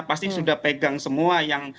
pasti sudah pegang semua yang